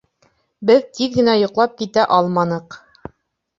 Беҙ тиҙ генә йоҡлап китә алманыҡ.